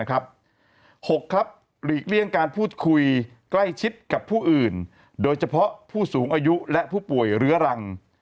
๖ครับหลีกเลี่ยงการพูดคุยใกล้ชิดกับผู้อื่นโดยเฉพาะผู้สูงอายุและผู้ป่วยเรื้อรัง